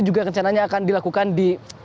juga rencananya akan dilakukan di